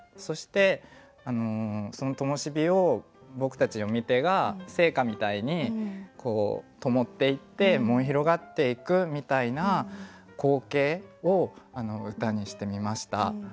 そしてそのともし火を僕たち読み手が聖火みたいにこうともっていって燃え広がっていくみたいな光景を歌にしてみました。